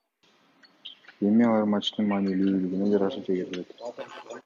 Эми алар матчтын маанилүүлүгүнө жараша чегерилет